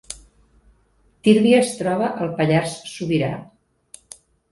Tírvia es troba al Pallars Sobirà